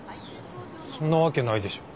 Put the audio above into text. そそんなわけないでしょ。